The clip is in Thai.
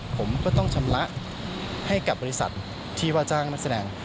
ผมก็ต้องชำระให้กับบริษัทที่ว่าจ้างนักแสดง